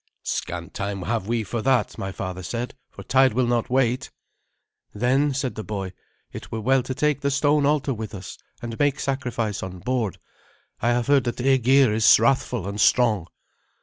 "Scant time have we for that," my father said, "for tide will not wait." "Then," said the boy, "it were well to take the stone altar with us, and make sacrifice on board. I have heard that Aegir is wrathful and strong."